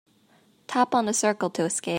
Tap on the circle to escape.